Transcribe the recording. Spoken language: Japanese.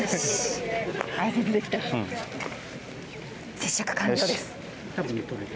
接触完了です。